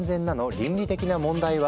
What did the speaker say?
倫理的な問題は？